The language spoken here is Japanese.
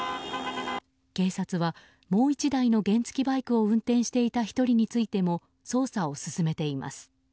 警察はもう１台の原付きバイクを運転していた１人についても捜査を進めています。